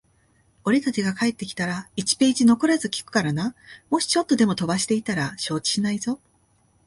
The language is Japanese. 俺たちが帰ってきたら、一ページ残らず聞くからな。もしちょっとでも飛ばしていたら承知しないぞ。